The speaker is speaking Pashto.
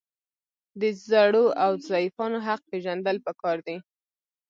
د زړو او ضعیفانو حق پیژندل پکار دي.